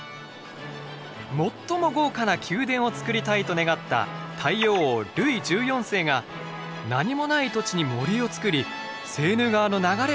「最も豪華な宮殿をつくりたい！」と願った太陽王ルイ１４世が何もない土地に森をつくりセーヌ川の流れを変えて生み出しました。